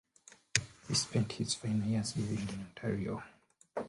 He spent his final years living in Ontario.